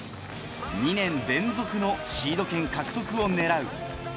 ２年連続のシード権獲得を狙う。